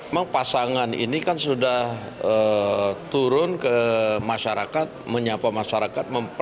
memang pasangan ini kan sudah turun ke masyarakat menyapa masyarakat